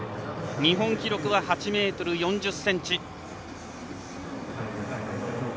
日本記録は８ｍ４０ｃｍ。